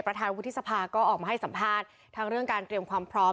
ประธานวุฒิสภาก็ออกมาให้สัมภาษณ์ทั้งเรื่องการเตรียมความพร้อม